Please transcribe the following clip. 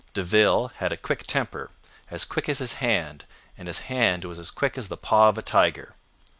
"De Ville had a quick temper, as quick as his hand, and his hand was as quick as the paw of a tiger.